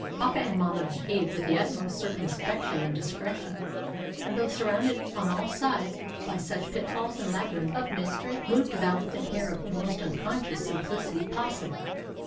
Papa and mamma behaved with the utmost circumspection and discretion, and though surrounded on all sides by such pitfalls and labyrinths of mystery, moved about with an air of the most unconscious simplicity possible.